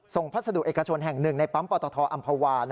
พัสดุเอกชนแห่งหนึ่งในปั๊มปตทอำภาวา